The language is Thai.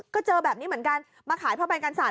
ก็เจอแบบนี้เหมือนกันมาขายผ้าใบกันศาส